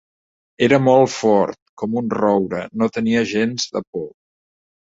Era molt fort, com un roure, no tenia gens de por.